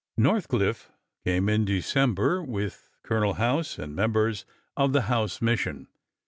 Northcliffe came in December, with Colonel House and members of the House Mission.